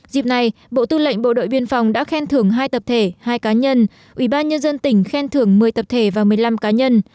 dịp này bộ tư lệnh bộ đội biên phòng đã khen thưởng hai tập thể hai cá nhân ủy ban nhân dân tỉnh khen thưởng một mươi tập thể và một mươi năm cá nhân